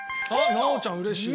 奈央ちゃんうれしい。